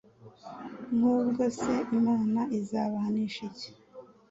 Nk’ubwo se Imana izabahanisha iki